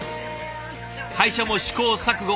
会社も試行錯誤。